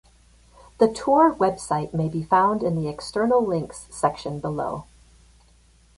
The tour website may be found in the external links section below.